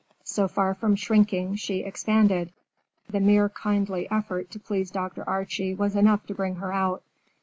So far from shrinking, she expanded. The mere kindly effort to please Dr. Archie was enough to bring her out.